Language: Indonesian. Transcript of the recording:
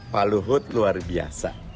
pak luhut luar biasa